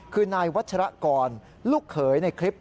คือนายวัชรกรลูกเขยในคลิป